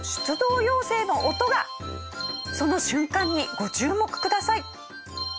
その瞬間にご注目ください。